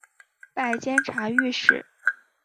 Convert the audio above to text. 拜监察御史。